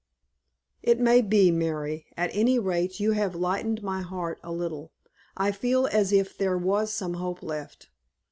"It may be, Mary. At any rate you have lightened my heart a little. I feel as if there was some hope left."